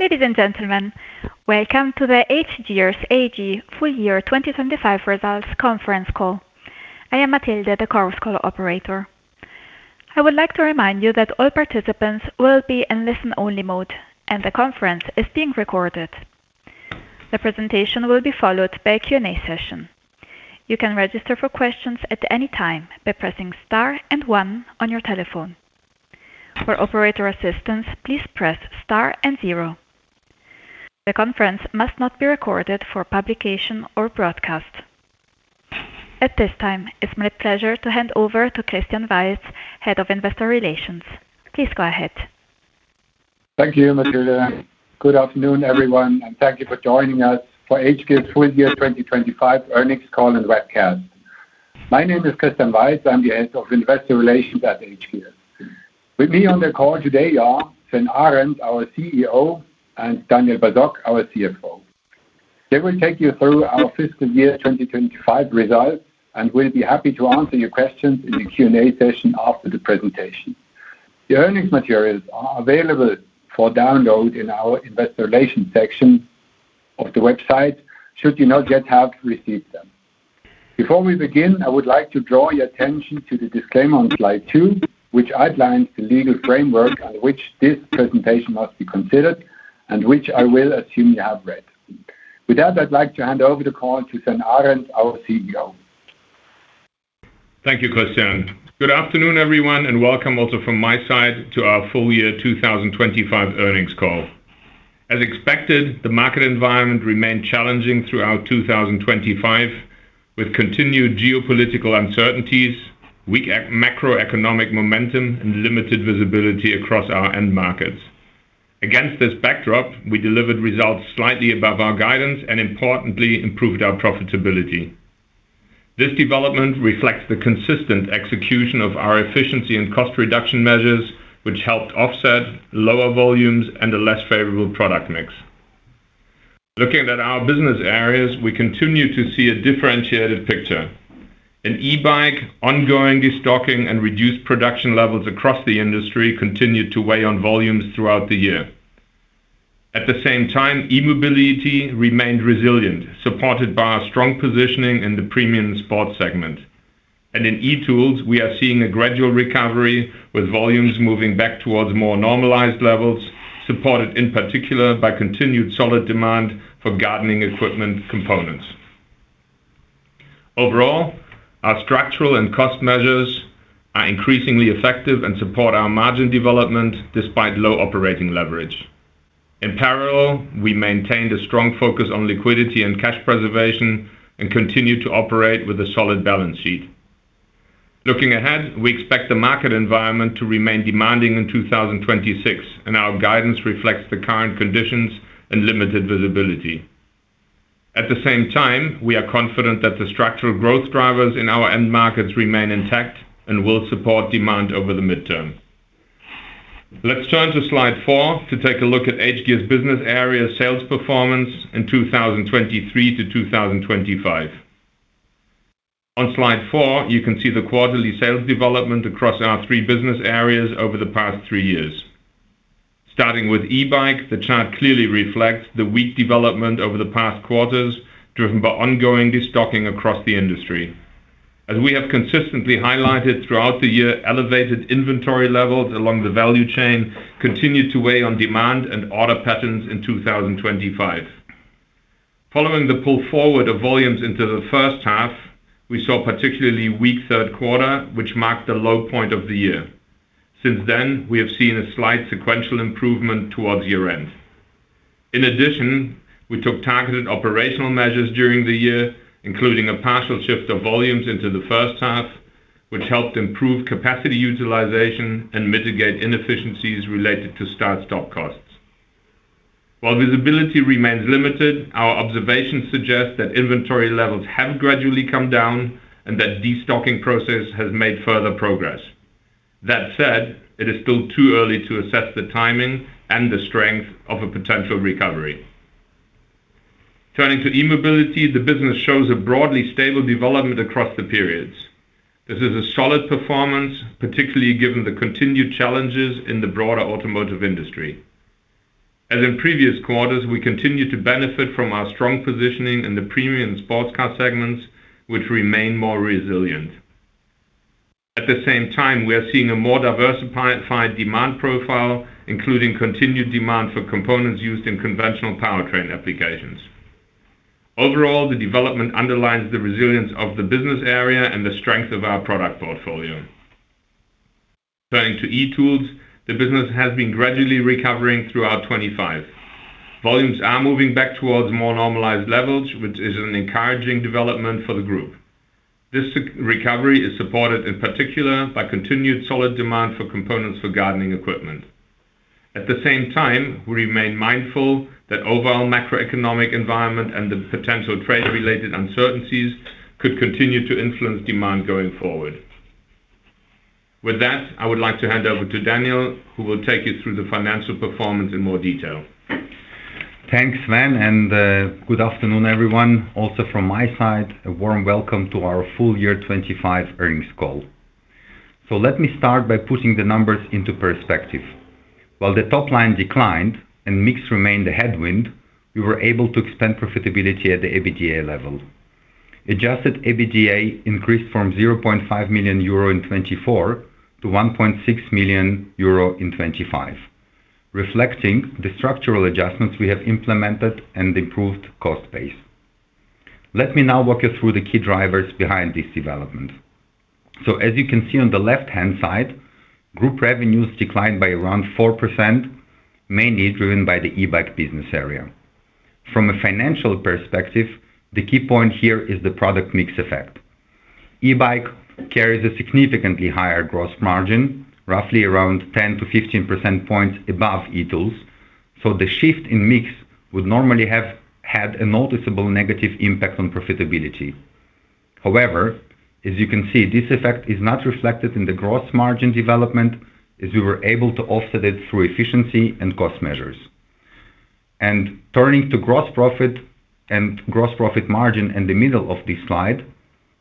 Ladies and gentlemen, welcome to the hGears AG Full Year 2025 Results Conference Call. I am Matilde, the conference call operator. I would like to remind you that all participants will be in listen-only mode, and the conference is being recorded. The presentation will be followed by a Q&A session. You can register for questions at any time by pressing star and one on your telephone. For operator assistance, please press star and zero. The conference must not be recorded for publication or broadcast. At this time, it's my pleasure to hand over to Christian Weiz, Head of Investor Relations. Please go ahead. Thank you, Matilde. Good afternoon, everyone, and thank you for joining us for hGears full year 2025 earnings call and webcast. My name is Christian Weiz. I'm the Head of Investor Relations at hGears. With me on the call today are Sven Arend, our CEO, and Daniel Basok, our CFO. They will take you through our fiscal year 2025 results, and we'll be happy to answer your questions in the Q&A session after the presentation. The earnings materials are available for download in our Investor Relations section of the website should you not yet have received them. Before we begin, I would like to draw your attention to the disclaimer on slide two, which outlines the legal framework on which this presentation must be considered and which I will assume you have read. With that, I'd like to hand over the call to Sven Arend, our CEO. Thank you, Christian. Good afternoon, everyone, and welcome also from my side to our full year 2025 earnings call. As expected, the market environment remained challenging throughout 2025, with continued geopolitical uncertainties, weak macroeconomic momentum, and limited visibility across our end markets. Against this backdrop, we delivered results slightly above our guidance and importantly improved our profitability. This development reflects the consistent execution of our efficiency and cost reduction measures, which helped offset lower volumes and a less favorable product mix. Looking at our business areas, we continue to see a differentiated picture. In e-bike, ongoing destocking and reduced production levels across the industry continued to weigh on volumes throughout the year. At the same time, e-mobility remained resilient, supported by our strong positioning in the premium sports segment. In e-tools, we are seeing a gradual recovery, with volumes moving back towards more normalized levels, supported in particular by continued solid demand for gardening equipment components. Overall, our structural and cost measures are increasingly effective and support our margin development despite low operating leverage. In parallel, we maintained a strong focus on liquidity and cash preservation and continued to operate with a solid balance sheet. Looking ahead, we expect the market environment to remain demanding in 2026, and our guidance reflects the current conditions and limited visibility. At the same time, we are confident that the structural growth drivers in our end markets remain intact and will support demand over the midterm. Let's turn to slide four to take a look at hGears business area sales performance in 2023-2025. On slide four, you can see the quarterly sales development across our three business areas over the past three years. Starting with e-bike, the chart clearly reflects the weak development over the past quarters, driven by ongoing destocking across the industry. As we have consistently highlighted throughout the year, elevated inventory levels along the value chain continued to weigh on demand and order patterns in 2025. Following the pull forward of volumes into the first half, we saw a particularly weak Q3, which marked the low point of the year. Since then, we have seen a slight sequential improvement towards year-end. In addition, we took targeted operational measures during the year, including a partial shift of volumes into the first half, which helped improve capacity utilization and mitigate inefficiencies related to start-stop costs. While visibility remains limited, our observations suggest that inventory levels have gradually come down and that destocking process has made further progress. That said, it is still too early to assess the timing and the strength of a potential recovery. Turning to e-mobility, the business shows a broadly stable development across the periods. This is a solid performance, particularly given the continued challenges in the broader automotive industry. As in previous quarters, we continue to benefit from our strong positioning in the premium sports car segments, which remain more resilient. At the same time, we are seeing a more diversified demand profile, including continued demand for components used in conventional powertrain applications. Overall, the development underlines the resilience of the business area and the strength of our product portfolio. Turning to e-tools, the business has been gradually recovering throughout 2025. Volumes are moving back towards more normalized levels, which is an encouraging development for the group. This recovery is supported in particular by continued solid demand for components for gardening equipment. At the same time, we remain mindful that overall macroeconomic environment and the potential trade-related uncertainties could continue to influence demand going forward. With that, I would like to hand over to Daniel, who will take you through the financial performance in more detail. Thanks, Sven, and good afternoon, everyone. Also from my side, a warm welcome to our full year 2025 earnings call. Let me start by putting the numbers into perspective. While the top line declined and mix remained a headwind, we were able to expand profitability at the EBITDA level. Adjusted EBITDA increased from 0.5 million euro in 2024-EUR 1.6 million in 2025, reflecting the structural adjustments we have implemented and improved cost base. Let me now walk you through the key drivers behind this development. As you can see on the left-hand side, group revenues declined by around 4%, mainly driven by the e-bike business area. From a financial perspective, the key point here is the product mix effect. E-bike carries a significantly higher gross margin, roughly around 10-15 percentage points above e-tools, so the shift in mix would normally have had a noticeable negative impact on profitability. However, as you can see, this effect is not reflected in the gross margin development as we were able to offset it through efficiency and cost measures. Turning to gross profit and gross profit margin in the middle of this slide,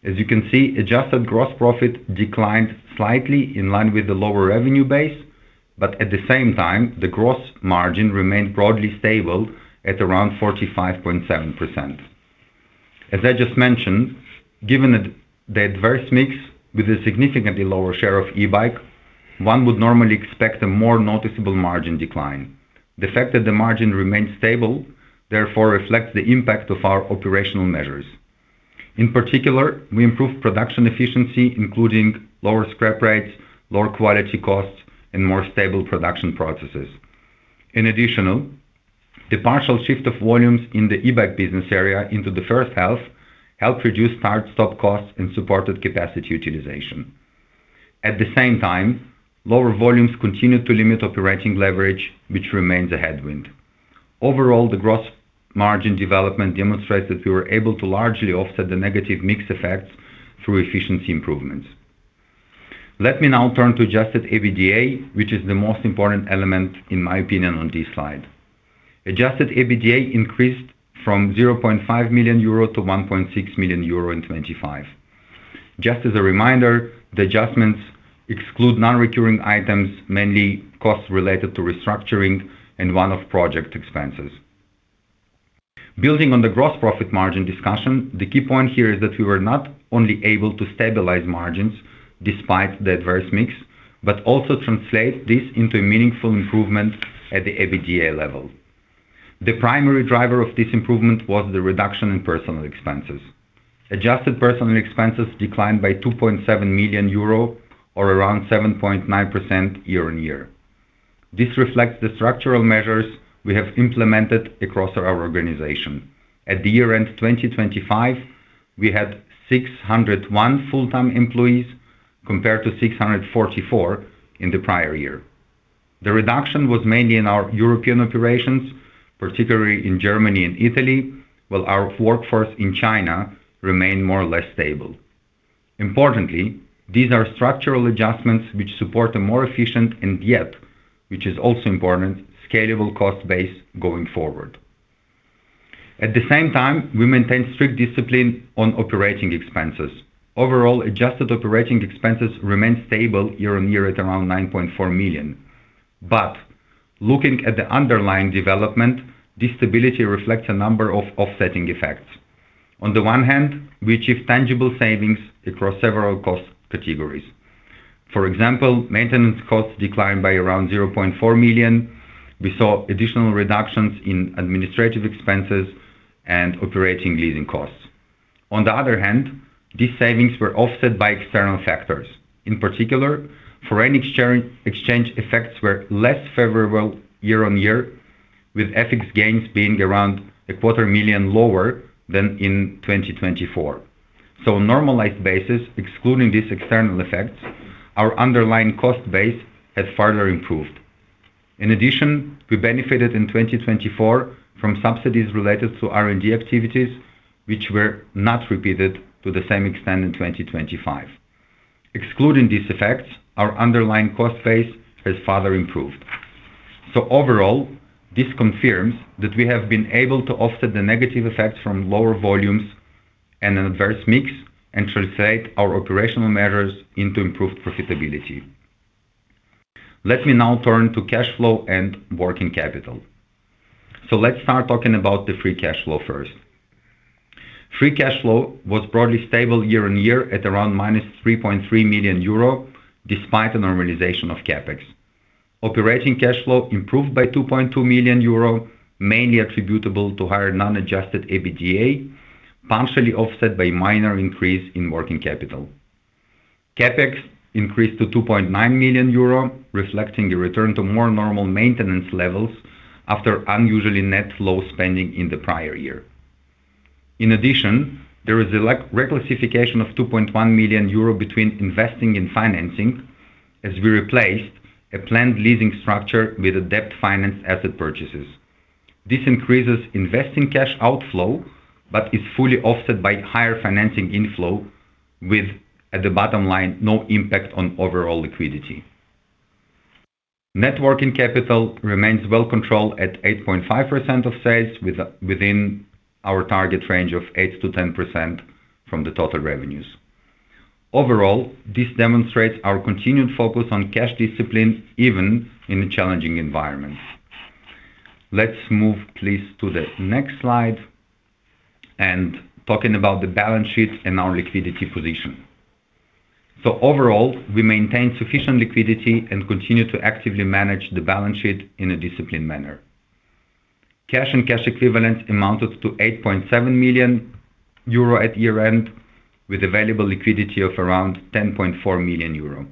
as you can see, adjusted gross profit declined slightly in line with the lower revenue base. At the same time, the gross margin remained broadly stable at around 45.7%. As I just mentioned, given the adverse mix with a significantly lower share of e-bike, one would normally expect a more noticeable margin decline. The fact that the margin remains stable, therefore reflects the impact of our operational measures. In particular, we improved production efficiency, including lower scrap rates, lower quality costs, and more stable production processes. In addition, the partial shift of volumes in the e-bike business area into the first half helped reduce start-stop costs and supported capacity utilization. At the same time, lower volumes continued to limit operating leverage, which remains a headwind. Overall, the gross margin development demonstrates that we were able to largely offset the negative mix effects through efficiency improvements. Let me now turn to adjusted EBITDA, which is the most important element, in my opinion, on this slide. Adjusted EBITDA increased from 0.5 million-1.6 million euro in 2025. Just as a reminder, the adjustments exclude non-recurring items, mainly costs related to restructuring and one-off project expenses. Building on the gross profit margin discussion, the key point here is that we were not only able to stabilize margins despite the adverse mix, but also translate this into a meaningful improvement at the EBITDA level. The primary driver of this improvement was the reduction in personnel expenses. Adjusted personnel expenses declined by 2.7 million euro or around 7.9% year-on-year. This reflects the structural measures we have implemented across our organization. At the year-end 2025, we had 601 full-time employees compared to 644 in the prior year. The reduction was mainly in our European operations, particularly in Germany and Italy, while our workforce in China remained more or less stable. Importantly, these are structural adjustments which support a more efficient and yet, which is also important, scalable cost base going forward. At the same time, we maintain strict discipline on operating expenses. Overall, adjusted operating expenses remain stable year-on-year at around 9.4 million. Looking at the underlying development, this stability reflects a number of offsetting effects. On the one hand, we achieved tangible savings across several cost categories. For example, maintenance costs declined by around 0.4 million. We saw additional reductions in administrative expenses and operating leasing costs. On the other hand, these savings were offset by external factors. In particular, foreign exchange effects were less favorable year-on-year, with FX gains being around EUR a quarter million lower than in 2024. Normalized basis, excluding these external effects, our underlying cost base has further improved. In addition, we benefited in 2024 from subsidies related to R&D activities which were not repeated to the same extent in 2025. Excluding these effects, our underlying cost base has further improved. Overall, this confirms that we have been able to offset the negative effects from lower volumes and an adverse mix and translate our operational measures into improved profitability. Let me now turn to cash flow and working capital. Let's start talking about the free cash flow first. Free cash flow was broadly stable year-on-year at around -3.3 million euro, despite a normalization of CapEx. Operating cash flow improved by 2.2 million euro, mainly attributable to higher non-adjusted EBITDA, partially offset by minor increase in working capital. CapEx increased to 2.9 million euro, reflecting a return to more normal maintenance levels after unusually net low spending in the prior year. In addition, there is a reclassification of 2.1 million euro between investing and financing as we replaced a planned leasing structure with a debt-financed asset purchases. This increases investing cash outflow, but is fully offset by higher financing inflow with, at the bottom line, no impact on overall liquidity. Net working capital remains well controlled at 8.5% of sales within our target range of 8%-10% from the total revenues. Overall, this demonstrates our continued focus on cash discipline, even in the challenging environment. Let's move please to the next slide and talking about the balance sheet and our liquidity position. Overall, we maintain sufficient liquidity and continue to actively manage the balance sheet in a disciplined manner. Cash and cash equivalents amounted to 8.7 million euro at year-end, with available liquidity of around 10.4 million euro.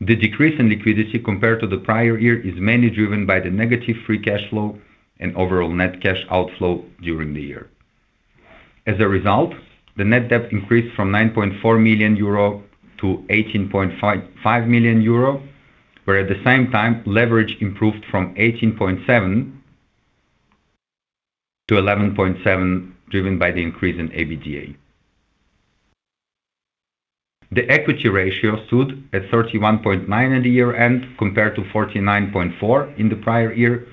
The decrease in liquidity compared to the prior year is mainly driven by the negative free cash flow and overall net cash outflow during the year. As a result, the net debt increased from 9.4 million-18.55 million euro, whereas at the same time, leverage improved from 18.7 to 11.7, driven by the increase in EBITDA. The equity ratio stood at 31.9 at the year-end compared to 49.4 in the prior year.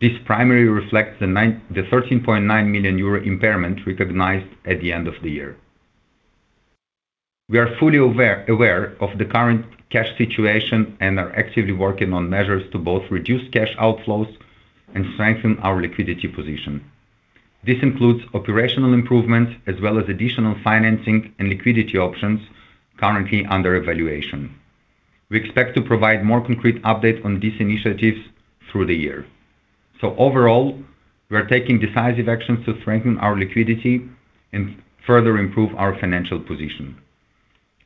This primarily reflects the 13.9 million euro impairment recognized at the end of the year. We are fully aware of the current cash situation and are actively working on measures to both reduce cash outflows and strengthen our liquidity position. This includes operational improvements as well as additional financing and liquidity options currently under evaluation. We expect to provide more concrete updates on these initiatives through the year. Overall, we are taking decisive actions to strengthen our liquidity and further improve our financial position.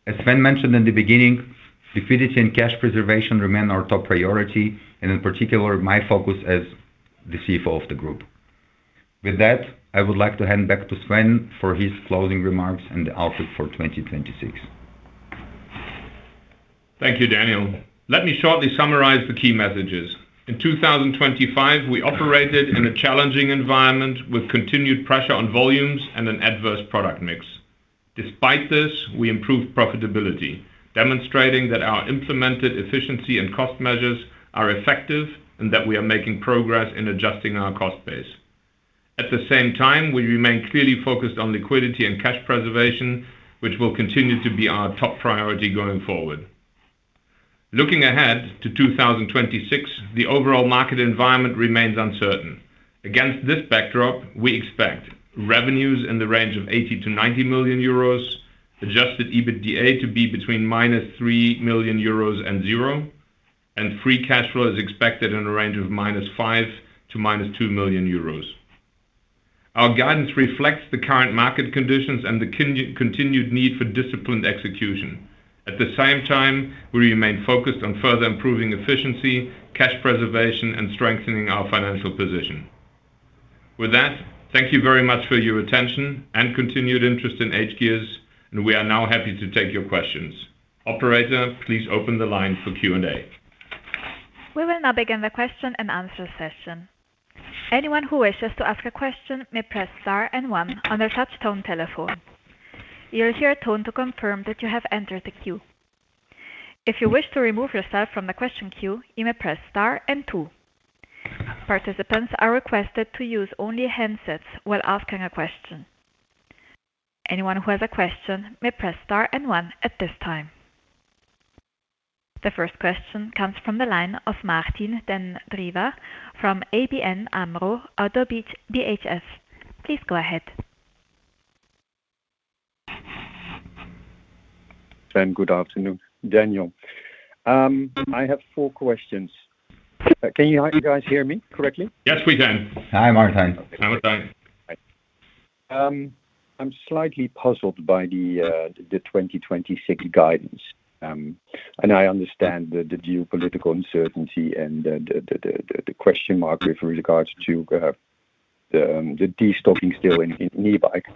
As Sven mentioned in the beginning, liquidity and cash preservation remain our top priority and in particular, my focus as the CFO of the group. With that, I would like to hand back to Sven for his closing remarks and the outlook for 2026. Thank you, Daniel. Let me shortly summarize the key messages. In 2025, we operated in a challenging environment with continued pressure on volumes and an adverse product mix. Despite this, we improved profitability, demonstrating that our implemented efficiency and cost measures are effective and that we are making progress in adjusting our cost base. At the same time, we remain clearly focused on liquidity and cash preservation, which will continue to be our top priority going forward. Looking ahead to 2026, the overall market environment remains uncertain. Against this backdrop, we expect revenues in the range of 80 million-90 million euros, adjusted EBITDA to be between -3 million euros and EUR zero, and free cash flow is expected in a range of -5 million to -2 million euros. Our guidance reflects the current market conditions and the continued need for disciplined execution. At the same time, we remain focused on further improving efficiency, cash preservation, and strengthening our financial position. With that, thank you very much for your attention and continued interest in hGears, and we are now happy to take your questions. Operator, please open the line for Q&A. We will now begin the question and answer session. Anyone who wishes to ask a question may press star and one on their touch tone telephone. You'll hear a tone to confirm that you have entered the queue. If you wish to remove yourself from the question queue, you may press star and two. Participants are requested to use only handsets while asking a question. Anyone who has a question may press star and one at this time. The first question comes from the line of Martijn den Drijver from ABN AMRO ODDO BHF. Please go ahead. Sven, good afternoon. Daniel. I have four questions. Can you guys hear me correctly? Yes, we can. Hi, Martijn. Hi, Martijn. I'm slightly puzzled by the 2026 guidance. I understand the geopolitical uncertainty and the question mark with regards to the destocking still in e-bike.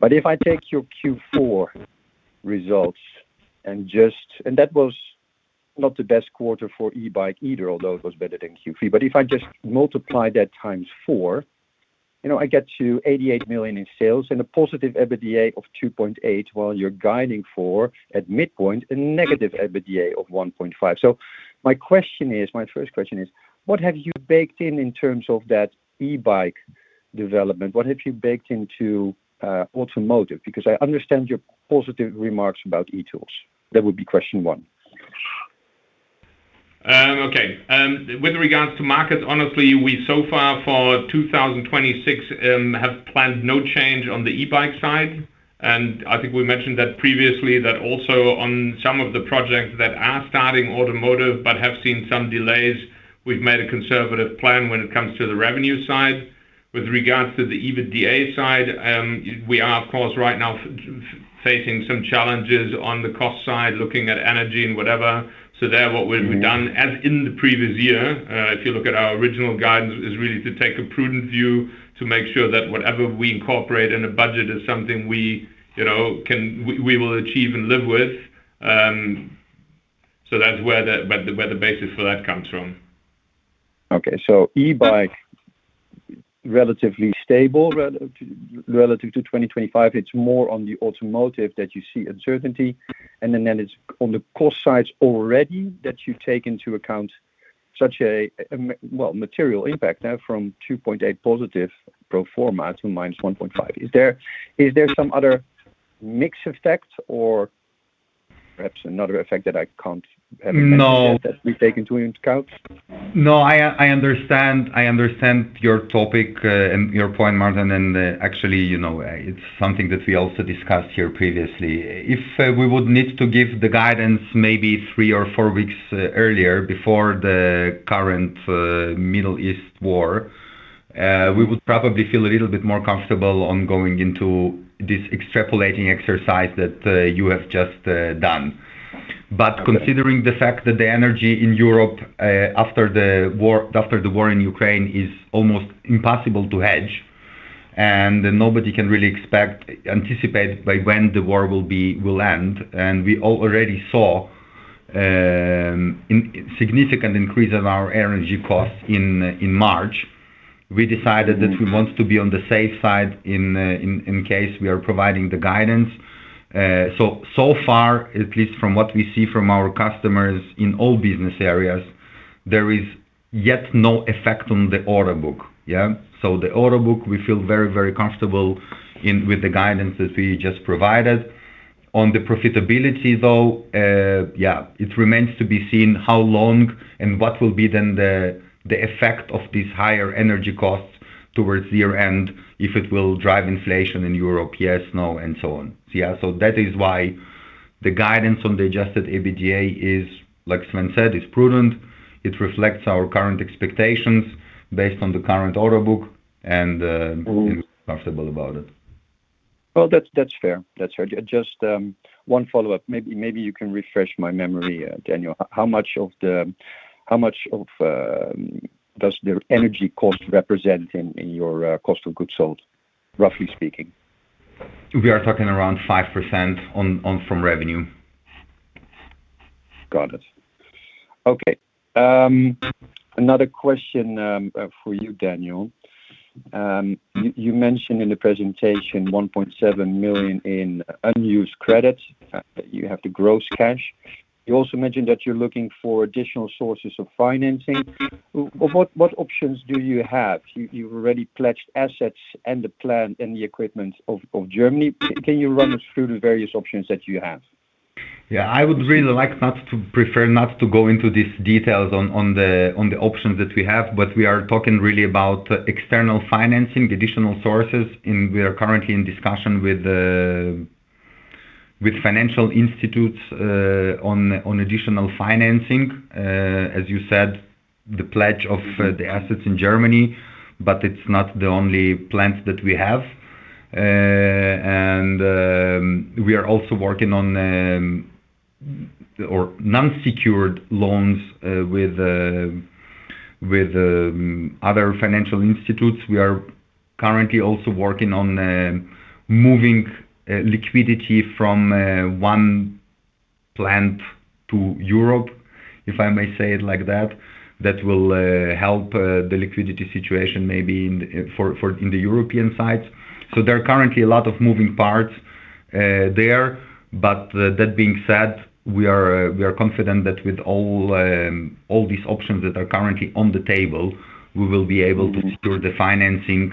If I take your Q4 results, that was not the best quarter for e-bike either, although it was better than Q3. If I just multiply that times four, you know, I get to 88 million in sales and a positive EBITDA of 2.8 million, while you're guiding for, at midpoint, a negative EBITDA of 1.5 million. My question is, my first question is: What have you baked in terms of that e-bike development? What have you baked into automotive? Because I understand your positive remarks about e-tools. That would be question one. Okay. With regards to markets, honestly, we so far for 2026 have planned no change on the e-bike side. I think we mentioned that previously that also on some of the projects that are starting automotive but have seen some delays, we've made a conservative plan when it comes to the revenue side. With regards to the EBITDA side, we are of course right now facing some challenges on the cost side, looking at energy and whatever. There what we've done, as in the previous year, if you look at our original guidance, is really to take a prudent view to make sure that whatever we incorporate in a budget is something we, you know, will achieve and live with. That's where the basis for that comes from. Okay. E-bike relatively stable relative to 2025. It's more on the automotive that you see uncertainty, and then it's on the cost side already that you take into account such a material impact now from +2.8% pro forma to -1.5%. Is there some other mix effect or perhaps another effect that I can't- No Imagine yet that we've taken into account? No, I understand your topic and your point, Martijn, and actually, you know, it's something that we also discussed here previously. If we would need to give the guidance maybe three or four weeks earlier before the current Middle East war, we would probably feel a little bit more comfortable on going into this extrapolating exercise that you have just done. Okay. Considering the fact that the energy in Europe after the war in Ukraine is almost impossible to hedge, and nobody can really anticipate by when the war will end. We already saw significant increase of our energy costs in March. We decided that we want to be on the safe side in case we are providing the guidance. So far, at least from what we see from our customers in all business areas, there is yet no effect on the order book. The order book, we feel very comfortable with the guidance that we just provided. On the profitability though, it remains to be seen how long and what will be then the effect of these higher energy costs towards year-end, if it will drive inflation in Europe. Yes, no, and so on. That is why the guidance on the adjusted EBITDA is, like Sven said, prudent. It reflects our current expectations based on the current order book, and Mm-hmm We're comfortable about it. Well, that's fair. Just one follow-up. Maybe you can refresh my memory, Daniel. How much of does the energy cost represent in your cost of goods sold, roughly speaking? We are talking around 5% on revenue. Got it. Okay. Another question for you, Daniel. You mentioned in the presentation 1.7 million in unused credits that you have the gross cash. You also mentioned that you're looking for additional sources of financing. What options do you have? You've already pledged assets and the plant and the equipment of Germany. Can you run us through the various options that you have? Yeah. I would really like, prefer not to go into these details on the options that we have, but we are talking really about external financing, additional sources. We are currently in discussion with financial institutions on additional financing. As you said, the pledge of the assets in Germany, but it's not the only plans that we have. We are also working on unsecured loans with other financial institutions. We are currently also working on moving liquidity from one plant to Europe, if I may say it like that. That will help the liquidity situation maybe for the European side. There are currently a lot of moving parts there. That being said, we are confident that with all these options that are currently on the table, we will be able to secure the financing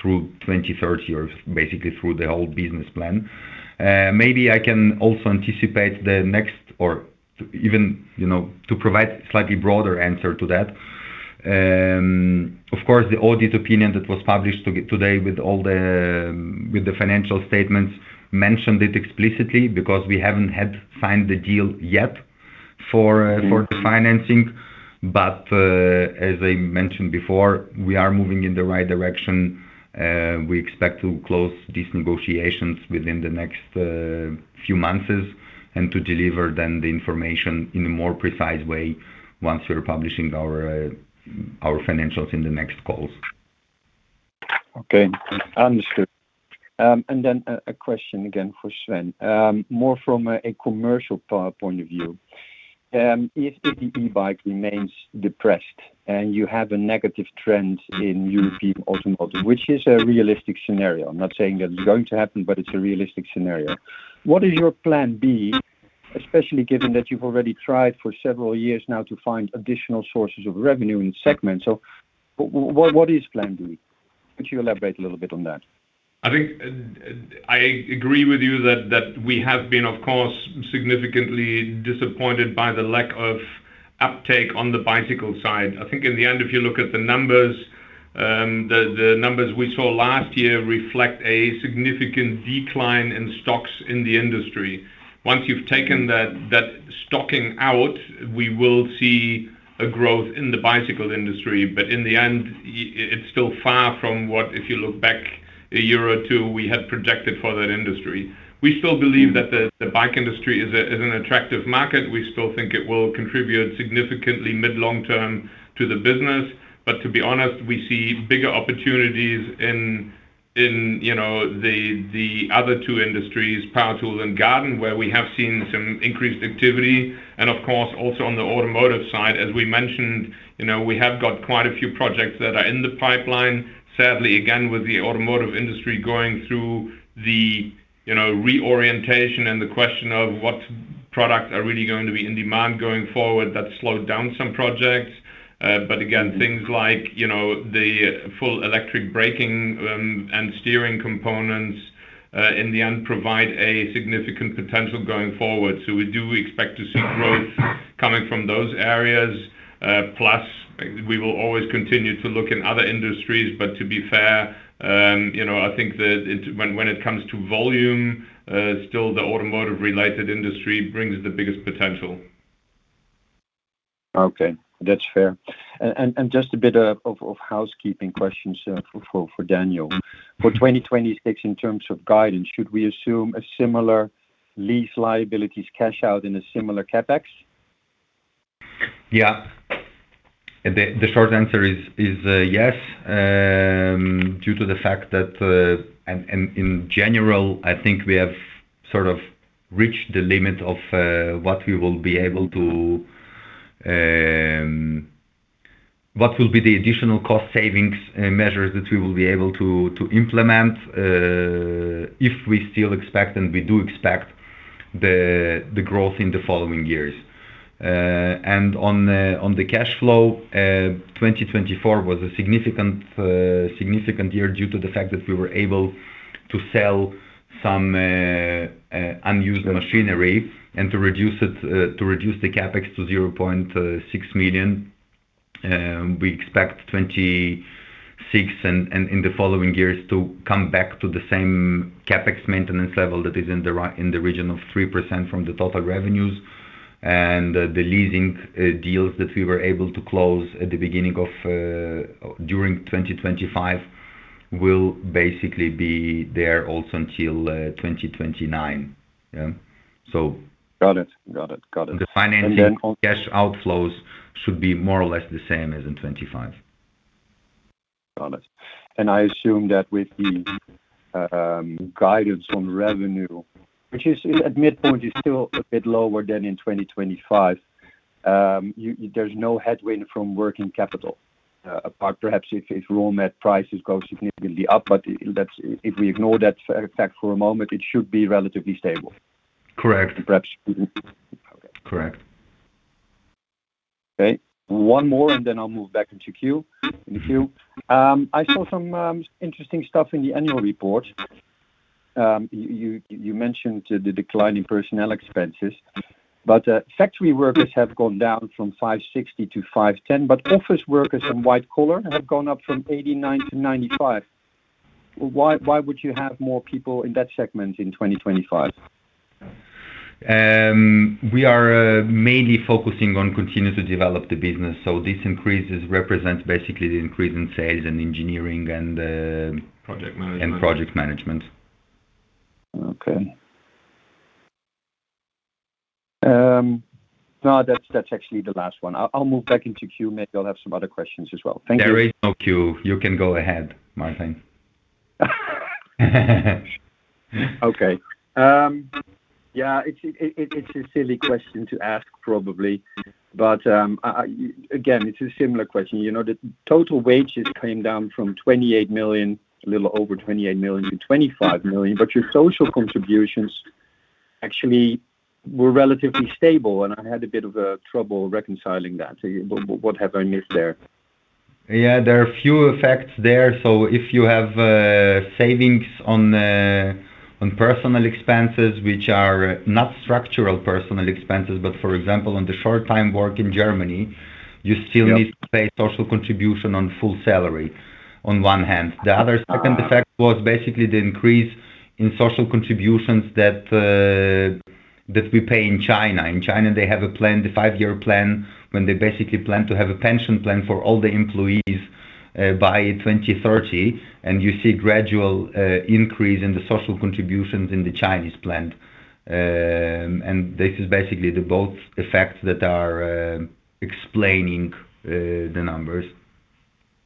through 2030 or basically through the whole business plan. Maybe I can also anticipate the next or even, you know, to provide slightly broader answer to that. Of course, the audit opinion that was published today with the financial statements mentioned it explicitly because we haven't had signed the deal yet for the financing. As I mentioned before, we are moving in the right direction. We expect to close these negotiations within the next few months and to deliver then the information in a more precise way once we're publishing our financials in the next calls. Okay. Understood. Then a question again for Sven. More from a commercial point of view. If the e-bike remains depressed and you have a negative trend in European automotive, which is a realistic scenario, I'm not saying that it's going to happen, but it's a realistic scenario. What is your plan B, especially given that you've already tried for several years now to find additional sources of revenue in segments? What is plan B? Could you elaborate a little bit on that? I think I agree with you that we have been, of course, significantly disappointed by the lack of uptake on the bicycle side. I think in the end, if you look at the numbers, the numbers we saw last year reflect a significant decline in destocking in the industry. Once you've taken that destocking out, we will see a growth in the bicycle industry. In the end, it's still far from what if you look back a year or two, we had projected for that industry. We still believe that the bike industry is an attractive market. We still think it will contribute significantly mid long term to the business. To be honest, we see bigger opportunities in In the other two industries, power tools and garden, where we have seen some increased activity. Of course, also on the automotive side, as we mentioned, we have got quite a few projects that are in the pipeline. Sadly, again, with the automotive industry going through reorientation and the question of what products are really going to be in demand going forward, that slowed down some projects. Again, things like the full electric braking and steering components in the end provide a significant potential going forward. We do expect to see growth coming from those areas. Plus, we will always continue to look in other industries. To be fair, I think that when it comes to volume, still the automotive-related industry brings the biggest potential. Okay. That's fair. Just a bit of housekeeping questions for Daniel. For 2026 in terms of guidance, should we assume a similar lease liabilities cash out and a similar CapEx? Yeah. The short answer is yes, due to the fact that in general, I think we have sort of reached the limit of what additional cost savings measures we will be able to implement if we still expect, and we do expect, the growth in the following years. On the cash flow, 2024 was a significant year due to the fact that we were able to sell some unused machinery and to reduce the CapEx to 0.6 million. We expect 26 and in the following years to come back to the same CapEx maintenance level that is in the region of 3% from the total revenues. The leasing deals that we were able to close at the beginning of during 2025 will basically be there also until 2029. Got it. The financing cash outflows should be more or less the same as in 2025. Got it. I assume that with the guidance on revenue, which is at midpoint still a bit lower than in 2025, there's no headwind from working capital, apart perhaps if raw mat prices go significantly up, but if we ignore that fact for a moment, it should be relatively stable. Correct. Perhaps. Okay. Correct. Okay. One more, and then I'll move back into the queue. I saw some interesting stuff in the annual report. You mentioned the decline in personnel expenses, but factory workers have gone down from 560 to 510, but office workers and white collar have gone up from 89 to 95. Why would you have more people in that segment in 2025? We are mainly focusing on continuing to develop the business. These increases represent basically the increase in sales and engineering and Project management project management. Okay. No, that's actually the last one. I'll move back into queue. Maybe I'll have some other questions as well. Thank you. There is no queue. You can go ahead, Martijn. Okay. Yeah, it's a silly question to ask probably. Again, it's a similar question. You know, the total wages came down from 28 million, a little over 28 million-25 million. Your social contributions actually were relatively stable, and I had a bit of trouble reconciling that. What happened there? Yeah, there are few effects there. If you have savings on personnel expenses, which are not structural personnel expenses, but for example, on the short-time work in Germany. Yeah You still need to pay social contribution on full salary on one hand. The other second effect was basically the increase in social contributions that we pay in China. In China, they have a plan, the Five-Year Plan, when they basically plan to have a pension plan for all the employees by 2030, and you see gradual increase in the social contributions in the Chinese plant. This is basically the both effects that are explaining the numbers.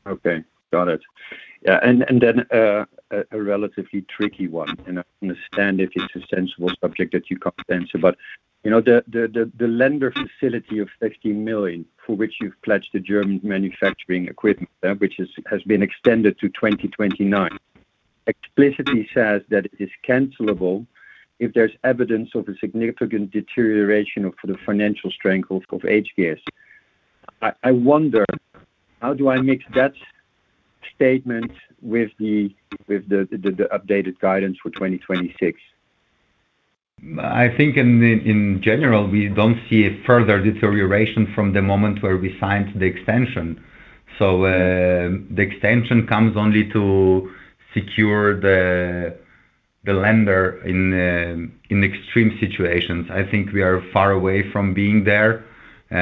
Okay. Got it. Yeah. A relatively tricky one, and I understand if it's a sensitive subject that you can't answer. You know, the lender facility of 60 million for which you've pledged the German manufacturing equipment, which has been extended to 2029, explicitly says that it is cancelable if there's evidence of a significant deterioration of the financial strength of hGears. I wonder, how do I mix that statement with the updated guidance for 2026? I think in general, we don't see a further deterioration from the moment where we signed the extension. The extension comes only to secure the lender in extreme situations. I think we are far away from being there. We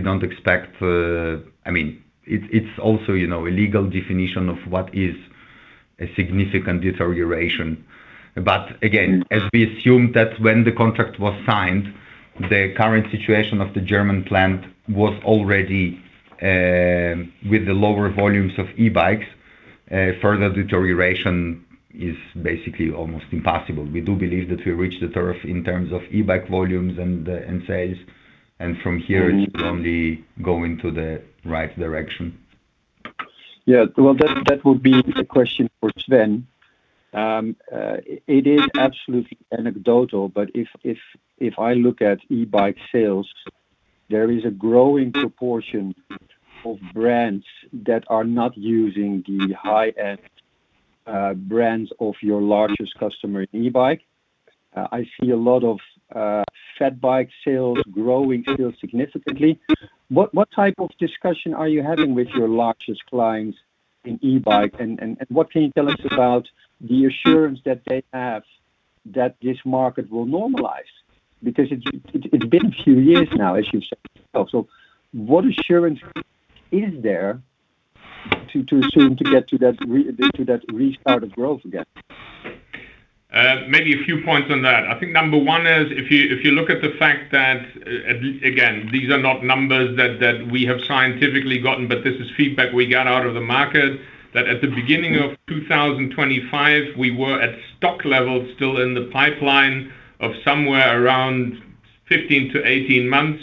don't expect. I mean, it's also, you know, a legal definition of what is a significant deterioration. Again, as we assume that when the contract was signed, the current situation of the German plant was already with the lower volumes of e-bikes. A further deterioration is basically almost impossible. We do believe that we reach the turf in terms of e-bike volumes and sales, and from here it should only go into the right direction. Yeah. Well, that would be a question for Sven. It is absolutely anecdotal, but if I look at e-bike sales, there is a growing proportion of brands that are not using the high-end brands of your largest customer in e-bike. I see a lot of fat bike sales growing still significantly. What type of discussion are you having with your largest clients in e-bike? And what can you tell us about the assurance that they have that this market will normalize? Because it's been a few years now, as you've said. So what assurance is there to assume to get to that restart of growth again? Maybe a few points on that. I think number one is, if you look at the fact that, and again, these are not numbers that we have scientifically gotten, but this is feedback we got out of the market, that at the beginning of 2025, we were at stock levels still in the pipeline of somewhere around 15-18 months.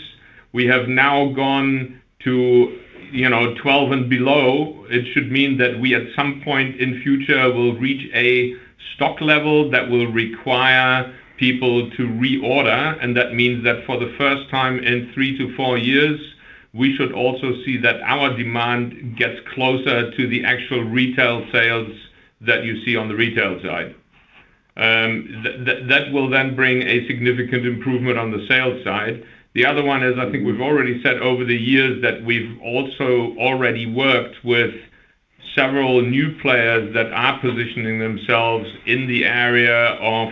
We have now gone to, you know, 12 and below. It should mean that we, at some point in future, will reach a stock level that will require people to reorder. That means that for the first time in three-four years, we should also see that our demand gets closer to the actual retail sales that you see on the retail side. That will then bring a significant improvement on the sales side. The other one is, I think we've already said over the years that we've also already worked with several new players that are positioning themselves in the area of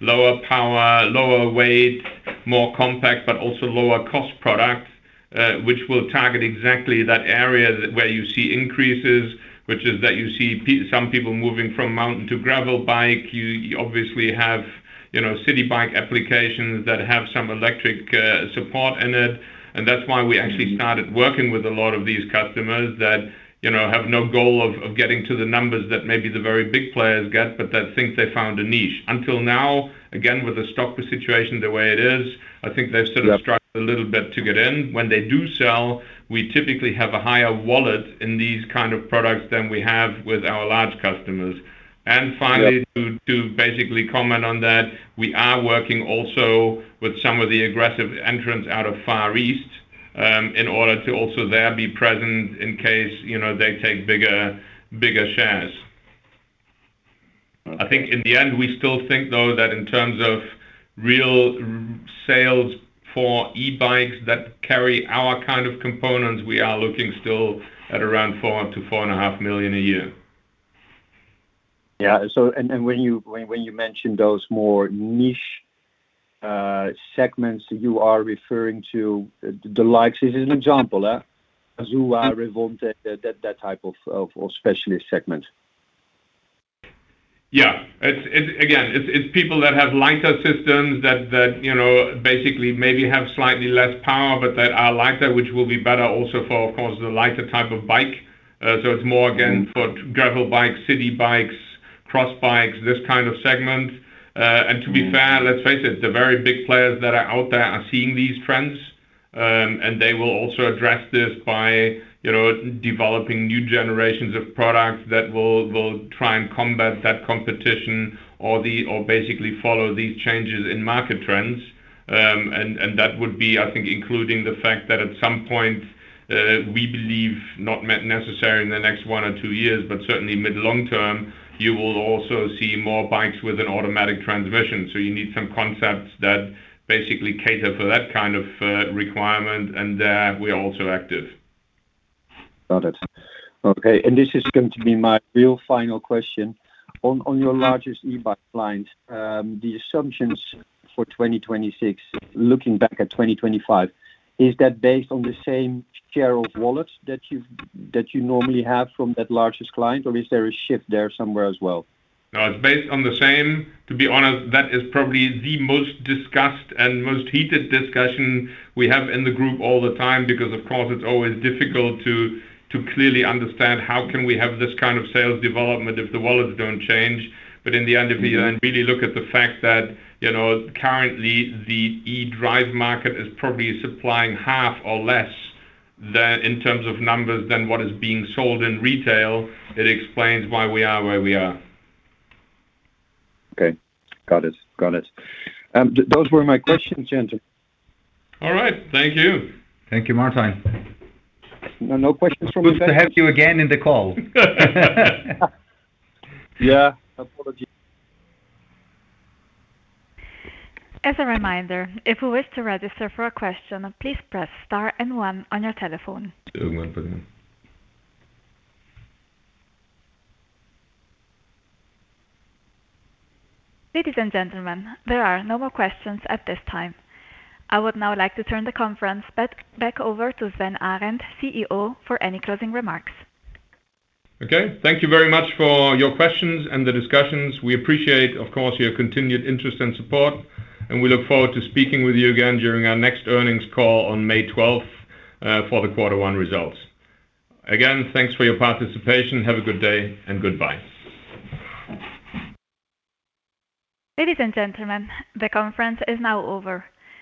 lower power, lower weight, more compact, but also lower cost products, which will target exactly that area where you see increases, which is that you see some people moving from mountain to gravel bike. You obviously have, you know, city bike applications that have some electric support in it. That's why we actually started working with a lot of these customers that, you know, have no goal of getting to the numbers that maybe the very big players get, but that think they found a niche. Until now, again, with the stock situation the way it is, I think they've sort of struggled a little bit to get in. When they do sell, we typically have a higher wallet in these kind of products than we have with our large customers. Yeah. To basically comment on that, we are working also with some of the aggressive entrants out of Far East, in order to also there be present in case, you know, they take bigger shares. Okay. I think in the end, we still think though that in terms of real sales for e-bikes that carry our kind of components, we are looking still at around 4 million-4.5 million a year. When you mention those more niche segments, you are referring to the likes of, as an example, Fazua, Revonte, that type of specialist segment. Yeah. It's people that have lighter systems that you know basically maybe have slightly less power but that are lighter, which will be better also for of course the lighter type of bike. It's more again for gravel bikes, city bikes, cross bikes, this kind of segment. To be fair, let's face it, the very big players that are out there are seeing these trends and they will also address this by you know developing new generations of products that will try and combat that competition or basically follow these changes in market trends. That would be I think including the fact that at some point we believe not necessary in the next one or two years, but certainly mid long term, you will also see more bikes with an automatic transmission. You need some concepts that basically cater for that kind of requirement, and there we are also active. Got it. Okay. This is going to be my real final question. On your largest e-bike client, the assumptions for 2026, looking back at 2025, is that based on the same share of wallet that you normally have from that largest client? Or is there a shift there somewhere as well? No, it's based on the same. To be honest, that is probably the most discussed and most heated discussion we have in the group all the time because of course, it's always difficult to clearly understand how can we have this kind of sales development if the wallets don't change. In the end, if you then really look at the fact that, you know, currently the e-Drive market is probably supplying half or less than in terms of numbers than what is being sold in retail, it explains why we are where we are. Okay. Got it. Those were my questions, gentlemen. All right. Thank you. Thank you, Martijn. No questions from Sven? Good to have you again on the call. Yeah. Apologies. As a reminder, if you wish to register for a question, please press star and one on your telephone. Ladies and gentlemen, there are no more questions at this time. I would now like to turn the conference back over to Sven Arend, CEO, for any closing remarks. Okay. Thank you very much for your questions and the discussions. We appreciate, of course, your continued interest and support, and we look forward to speaking with you again during our next earnings call on May twelfth for the quarter one results. Again, thanks for your participation. Have a good day and goodbye. Ladies and gentlemen, the conference is now over.